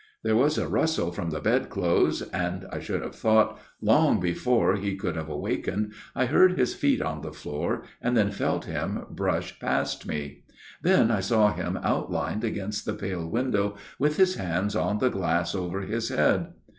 " There was a rustle from the bed clothes, and (I should have thought) long before he could have awakened, I heard his feet on the floor, and then felt him brush past me. Then I saw him outlined against the pale window with his hands on the glass over his head.